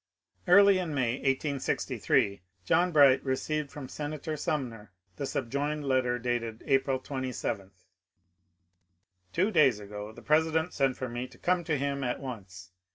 Early in May, 1863, John Bright received from Senator Sumner the subjoined letter dated April 27: — Two days ago the President sent for me to come to him at once.